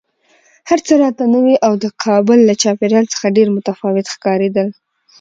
هر څه راته نوي او د کابل له چاپېریال څخه ډېر متفاوت ښکارېدل